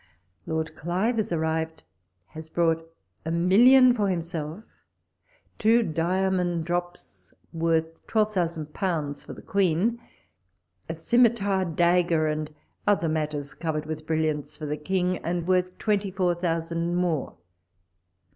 Lord Clive is arrived, has brought a million for himself, two diamond drops worth twelve thousand pounds for the Queen, a scimi tar, dagger, and other matters, covered with brilliants, for the King, and worth twenty four thousand more.